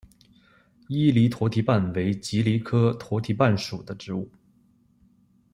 伊犁驼蹄瓣为蒺藜科驼蹄瓣属的植物。